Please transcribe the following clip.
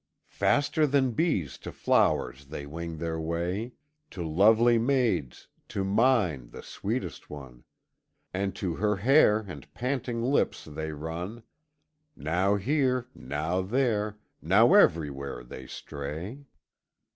"Faster than bees to flowers they wing their way To lovely maids to mine, the sweetest one; And to her hair and panting lips they run Now here, now there, now everywhere they stray.